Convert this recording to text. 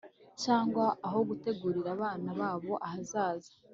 Cyangwa aho gutegurira abana babo ahazaza